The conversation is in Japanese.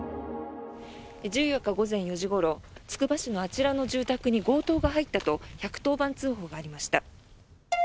１４日午前４時ごろつくば市のあちらの住宅に強盗が入ったと１１０番通報がありました。